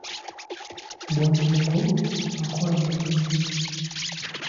Bwanamukulu akola mulimu ki?